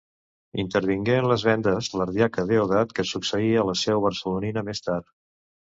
Intervingué en les vendes l'ardiaca Deodat que succeí en la seu barcelonina més tard.